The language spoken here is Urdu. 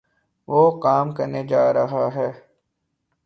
وہ کام کرنےجارہےہیں